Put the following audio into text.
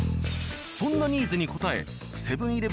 そんなニーズに応えセブン−